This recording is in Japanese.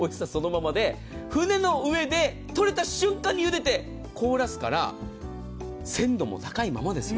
船の上で取れた瞬間にゆでて凍らせるから鮮度も高いままですよ。